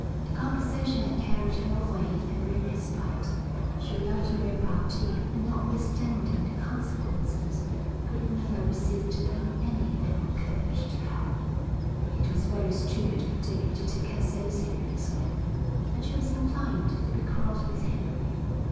The conversation had carried her away in her own despite. She loved a repartee and notwithstanding the consequences could never resist making any that occurred to her. It was very stupid of Dick to take her so seriously, and she was inclined to be cross with him.